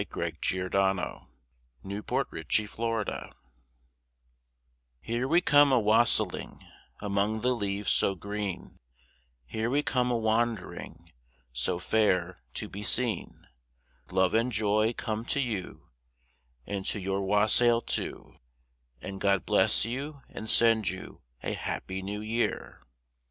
Dinah Maria Mulock THE WASSAIL SONG Here we come a wassailing Among the leaves so green, Here we come a wandering So fair to be seen. Love and joy come to you And to your wassail too, And God bless you, and send you A happy New Year.